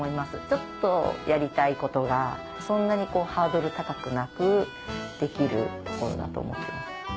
ちょっとやりたいことがそんなにハードル高くなくできる所だと思っています。